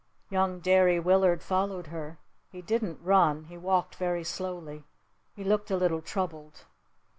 Young Derry Willard followed her. He didn't run. He walked very slowly. He looked a little troubled.